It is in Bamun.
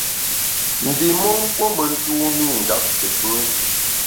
Ndi mon puo me ntumî njap te gbù.